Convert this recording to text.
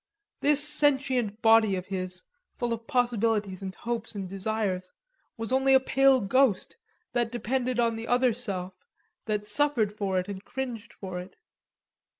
This sentient body of his, full of possibilities and hopes and desires, was only a pale ghost that depended on the other self, that suffered for it and cringed for it.